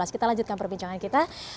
kita lanjutkan perbincangan kita